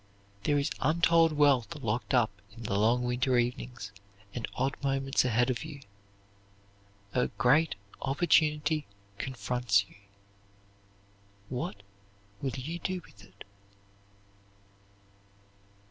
There is untold wealth locked up in the long winter evenings and odd moments ahead of you. A great opportunity confronts you. What will you do with it?